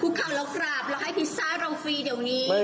คุกเข้าแล้วกราบแล้วให้พิซซ่าเราฟรีเดี๋ยวนี้